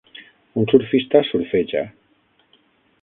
Un surfista surfeja.